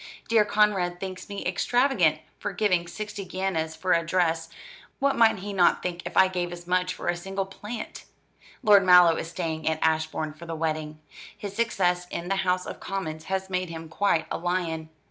Dear Conrad thinks me extravagant for giving sixty guineas for a dress what might he not think if I gave as much for a single plant? Lord Mallow is staying at Ashbourne for the wedding. His success in the House of Commons has made him quite a lion.